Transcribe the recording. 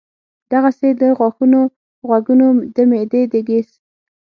دغسې د غاښونو ، غوږونو ، د معدې د ګېس ،